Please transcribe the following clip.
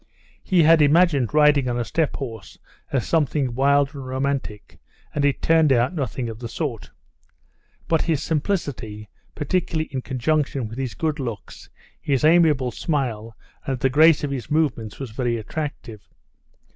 He had imagined riding on a steppe horse as something wild and romantic, and it turned out nothing of the sort. But his simplicity, particularly in conjunction with his good looks, his amiable smile, and the grace of his movements, was very attractive.